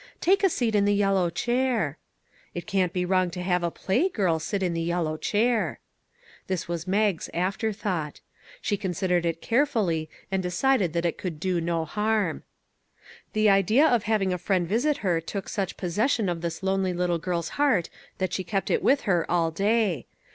Take a seat in the yellow chair.' It can't be wrong to have a play girl sit in the yellow chair." This was Mag's afterthought. She considered it care fully, and decided that it could do no harm. The idea of having a friend visit her took such possession of this lonely little girl's heart that she kept it with her all day.